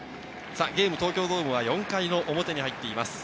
東京ドームは４回表に入っています。